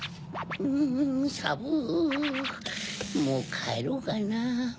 もうかえろうかな？